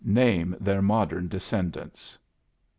Name their modern descendants.